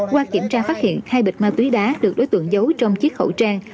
qua kiểm tra phát hiện hai bịch ma túy đá được đối tượng giấu trong chiếc khẩu trang